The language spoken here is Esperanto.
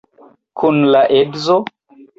Kun la edzo?